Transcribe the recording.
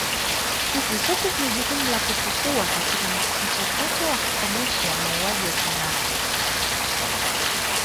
Sisi sote tuna jukumu la kuchukua katika mchakato wa kukomesha mauaji ya kimbari